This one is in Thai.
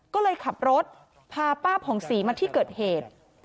ก็เลยขับรถพาป้าผ่องศรีมาที่เกิดเหตุ